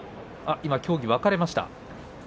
今、協議が分かれました。